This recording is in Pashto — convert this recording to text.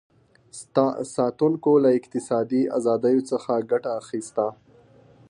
ساتونکو له اقتصادي ازادیو څخه ګټه اخیسته.